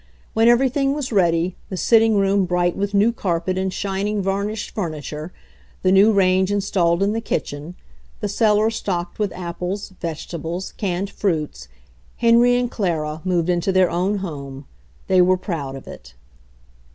When everything was ready, the sitting room bright with new carpet and shining varnished furniture, the new range installed in the kitchen, the cellar stocked with apples, vegetables, canned fruits, Henry and Clara moved into their own home. They were proud of it.